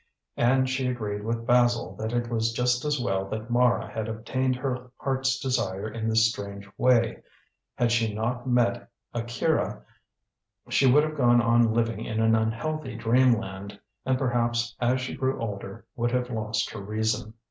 And she agreed with Basil that it was just as well that Mara had obtained her heart's desire in this strange way. Had she not met Akira, she would have gone on living in an unhealthy dreamland, and perhaps as she grew older would have lost her reason.